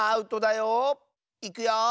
いくよ。